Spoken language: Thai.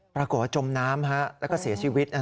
ปรากฎว่าจมน้ำค่ะแล้วก็เสียชีวิต